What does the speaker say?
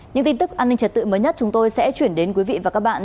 những tin tức an ninh trật tự mới nhất chúng tôi sẽ chuyển đến quý vị và các bạn